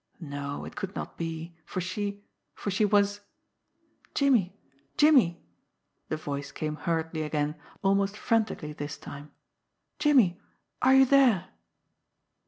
No, it could not be, for she for she was "Jimmie! Jimmie!" the voice came hurriedly again, almost frantically this time. "Jimmie are you there?"